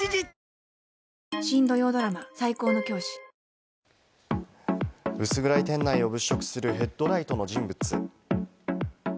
ニトリ薄暗い店内を物色するヘッドライトの人物。